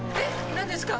何ですか？